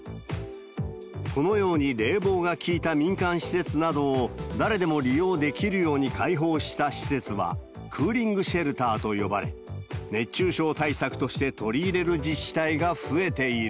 このように冷房が効いた民間施設などを、誰でも利用できるように開放した施設はクーリングシェルターと呼ばれ、熱中症対策として取り入れる自治体が増えている。